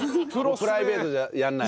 プライベートじゃやらない？